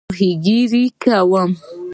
ماهیګیري کوم؟